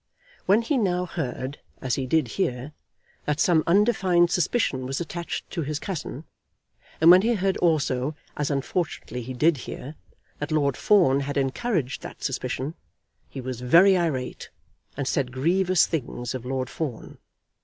When he now heard, as he did hear, that some undefined suspicion was attached to his cousin, and when he heard also, as unfortunately he did hear, that Lord Fawn had encouraged that suspicion, he was very irate, and said grievous things of Lord Fawn.